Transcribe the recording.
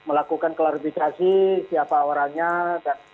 ya kami akan menendalasinya dengan cara yang kami anggap